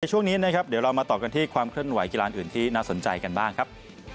ช่วงนี้นะครับเดี๋ยวเรามาต่อกันที่ความเคลื่อนไหกีฬาอื่นที่น่าสนใจกันบ้างครับ